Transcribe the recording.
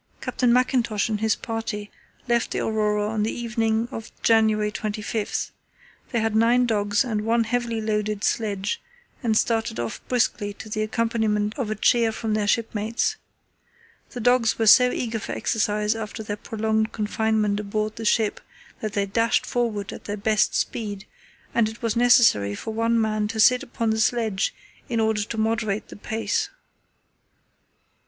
Captain Mackintosh and his party left the Aurora on the evening of January 25. They had nine dogs and one heavily loaded sledge, and started off briskly to the accompaniment of a cheer from their shipmates. The dogs were so eager for exercise after their prolonged confinement aboard the ship that they dashed forward at their best speed, and it was necessary for one man to sit upon the sledge in order to moderate the pace.